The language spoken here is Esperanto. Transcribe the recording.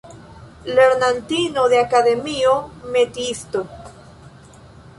Lernantino de Akademio, "metiisto".